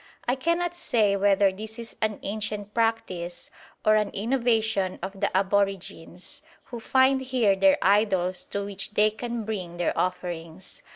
I cannot say whether this is an ancient practice or an innovation of the aborigines, who find here their idols to which they can bring their offerings.